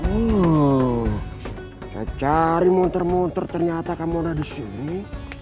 oh saya cari muntur muntur ternyata kamu ada di sini